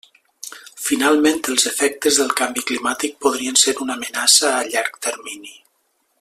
Finalment, els efectes del canvi climàtic podrien ser una amenaça a llarg termini.